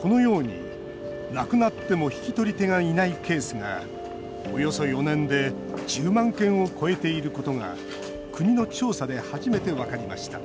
このように、亡くなっても引き取り手がいないケースがおよそ４年で１０万件を超えていることが国の調査で初めて分かりました